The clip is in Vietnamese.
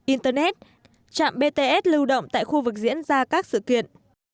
internet trạm bts lưu động tại khu vực diễn ra các sự kiện